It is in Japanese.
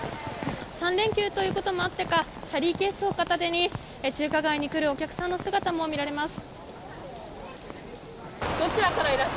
３連休ということもあってかキャリーケースを片手に中華街に来るお客さんの姿も見られます。